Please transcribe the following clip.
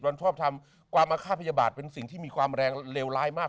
ชอบทำความอาฆาตพยาบาทเป็นสิ่งที่มีความแรงเลวร้ายมาก